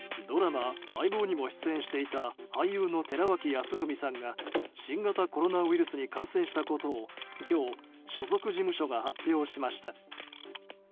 ドラマ相棒にも出演していた俳優の寺脇康文さんが新型コロナウイルスに感染したことを今日、所属事務所が発表しました。